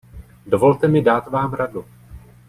Dovolte mi dát vám radu.